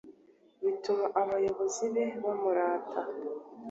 bituma abayoboke be bamurata